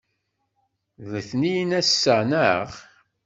D letniyen ass-a, naɣ?